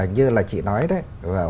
như là chị nói đấy